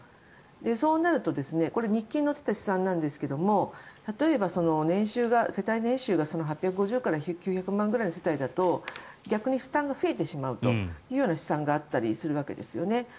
そうなると日経に載っていた試算なんですが例えば、年収が８５０から９００万ぐらいの世帯だと逆に負担が増えてしまうという試算があったりするわけですね。